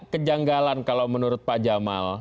kejanggalan kalau menurut pak jamal